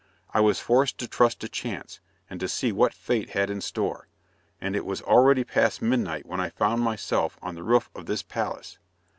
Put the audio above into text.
I was forced to trust to chance, and to see what fate had in store, and it was already past midnight when I found myself on the roof of this palace.